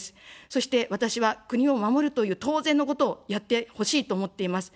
そして私は国を守るという当然のことをやってほしいと思っています。